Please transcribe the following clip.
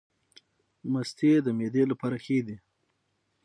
مستې د معدې لپاره ښې دي